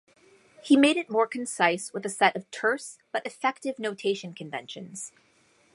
He made it more concise with a set of terse but effective notation conventions.